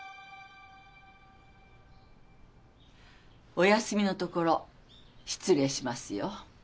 お休みのところ失礼しますよ。